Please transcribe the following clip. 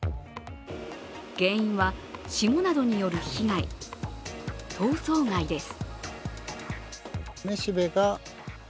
原因は霜などによる被害、凍霜害です。